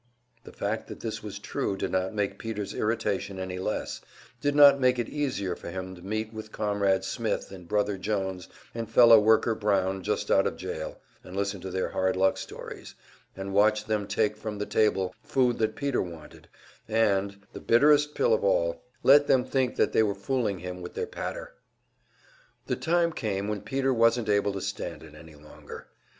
The fact that this was true did not make Peter's irritation any less, did not make it easier for him to meet with Comrade Smith, and Brother Jones, and Fellow worker Brown just out of jail, and listen to their hard luck stories, and watch them take from the table food that Peter wanted, and the bitterest pill of all let them think that they were fooling him with their patter! The time came when Peter wasn't able to stand it any longer.